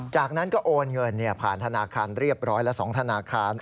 จากนั้นก็โอนเงินผ่านธนาคารเรียบร้อยละ๒ธนาคาร